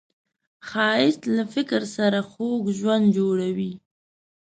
ښایست له فکر سره خوږ ژوند جوړوي